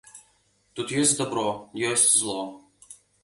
Тут ёсць дабро, ёсць зло.